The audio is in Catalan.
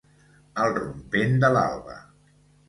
Al rompent de l'alba.